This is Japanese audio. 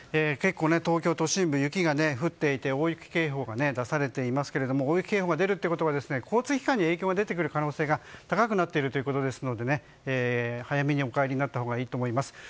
結構、東京都心部雪が降っていて大雪警報が出されていますが大雪警報が出るということは交通機関に影響が出る可能性が高くなっているということなので早めにお帰りになったほうがいいかと思います。